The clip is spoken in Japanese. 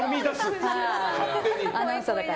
アナウンサーだから。